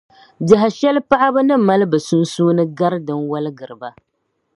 Biɛhi shɛli paɣaba ni mali bɛ sunsuuni gari din waligiri ba.